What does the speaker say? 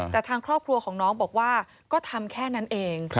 แต่ทางครอบครัวของน้องบอกว่าก็ทำแค่นั้นเอง